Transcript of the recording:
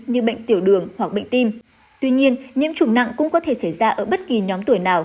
như bệnh tiểu đường hoặc bệnh tim tuy nhiên nhiễm trùng nặng cũng có thể xảy ra ở bất kỳ nhóm tuổi nào